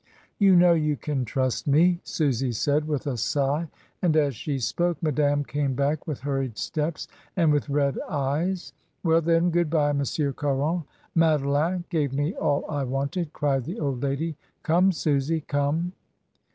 "You know you can trust me," Susy said with a sigh, and as she spoke, Madame came back with hurried steps and with red eyes. "Well, then, good bye. Monsieur Caron. Madeleine gave me all I wanted," cried the old lady. "Come, Susy, come."